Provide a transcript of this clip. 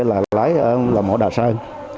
là lái ở mỏ đà sơn